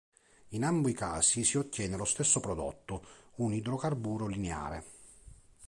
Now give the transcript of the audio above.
In ambo i casi si ottiene lo stesso prodotto, un idrocarburo lineare.